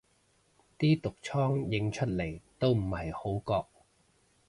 啲毒瘡影出嚟都唔係好覺